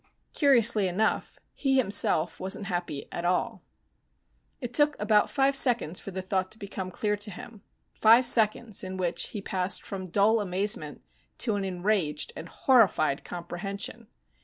Curiously enough, he himself wasn't happy at all. It took about five seconds for the thought to become clear to him, five seconds in which he passed from dull amazement to an enraged and horrified comprehension.